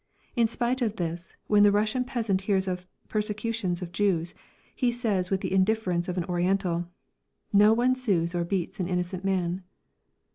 In spite of this, when the Russian peasant hears of persecutions of Jews, he says with the indifference of an Oriental: "No one sues or beats an innocent man."